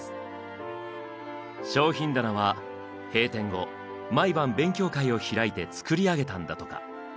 商品棚は閉店後毎晩勉強会を開いて作り上げたんだとか。